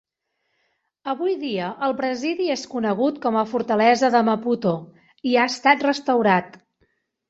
Avui dia el presidi és conegut com a Fortalesa de Maputo, i ha estat restaurat.